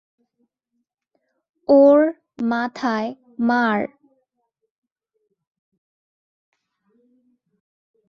ওর মাথায় মার।